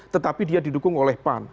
tetapi dia didukung oleh pan